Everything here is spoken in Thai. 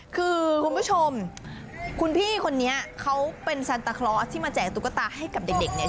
คือคุณผู้ชมคุณพี่คนนี้เขาเป็นซันตาคลอสที่มาแจกตุ๊กตาให้กับเด็กเนี่ย